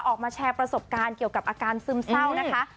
ออกมาแชร์ประสบการณ์เกี่ยวกับอาการซึมเศร้านะคะ